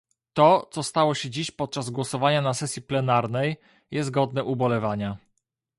To, co stało się dziś podczas głosowania na sesji plenarnej jest godne ubolewania